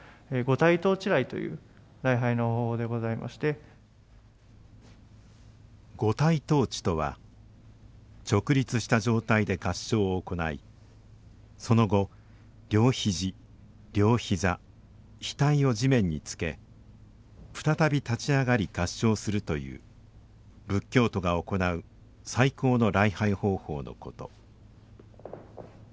ご自身が五体投地とは直立した状態で合掌を行いその後両ひじ両ひざ額を地面につけ再び立ち上がり合掌するという仏教徒が行う最高の礼拝方法のこと